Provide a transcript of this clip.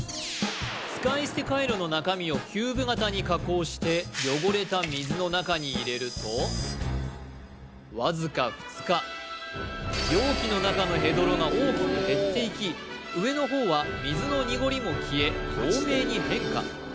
使い捨てカイロの中身をキューブ形に加工して汚れた水の中に入れるとわずか２日容器の中のヘドロが大きく減っていき上の方は水の濁りも消え透明に変化